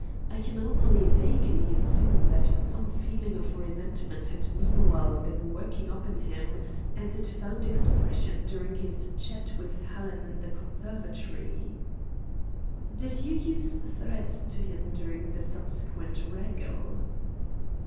I can only vaguely assume that some feeling of resentment had meanwhile been working up in him, and it found expression during his chat with Helen in the conservatory." "Did you use threats to him during the subsequent wrangle?"